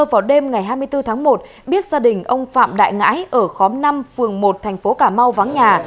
vào đêm ngày hai mươi bốn tháng một biết gia đình ông phạm đại ngãi ở khóm năm phường một thành phố cà mau vắng nhà